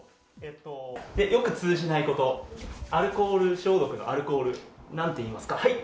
よく通じないこと、アルコール消毒のアルコール、なんて言いますか、はい。